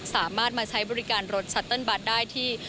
สามารถมาใช้บริการรถชัตเติ้ลบัตรได้ที่